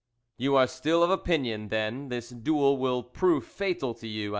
"You are still of opinion, then, this duel will prove fatal to you?"